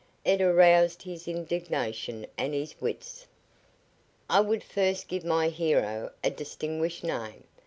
It aroused his indignation and his wits. "I would first give my hero a distinguished name.